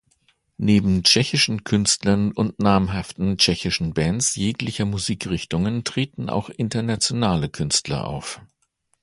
Neben tschechischen Künstlern und namhaften tschechischen Bands jeglicher Musikrichtungen treten auch internationale Künstler auf.